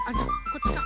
こっちか。